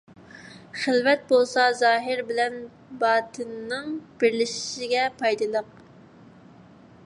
خىلۋەت بولسا زاھىر بىلەن باتىننىڭ بىرلىشىشىگە پايدىلىق.